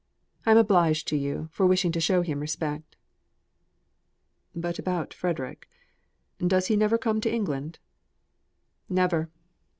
I am obliged to you for wishing to show him respect." "But about Frederick. Does he never come to England?" "Never."